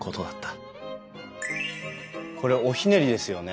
これおひねりですよね。